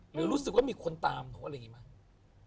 หรือรู้สึกว่ามีคนตามหนูอะไรอย่างนี้ไหม